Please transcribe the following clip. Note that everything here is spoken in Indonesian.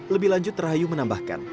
lebih lanjut rahayu menambahkan